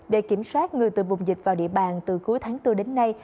để kiểm soát người từ vùng dịch vào địa bàn từ cuối tháng bốn đến nay